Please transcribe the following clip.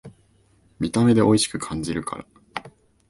見た目でおいしく感じるから